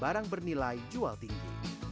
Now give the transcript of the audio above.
barang bernilai jual tinggi